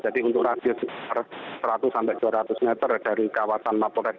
jadi untuk rasio seratus sampai dua ratus meter dari kawasan mato reta